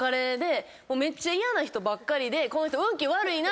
めっちゃ嫌な人ばっかりで。